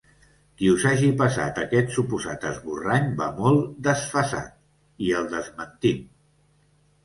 Qui us hagi passat aquest suposat esborrany va molt desfasat, i el desmentim.